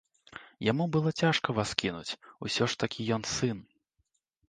Яму было цяжка вас кінуць, усё ж такі ён сын.